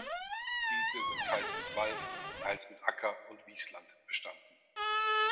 Diese sind teils mit Wald, teils mit Acker- und Wiesland bestanden.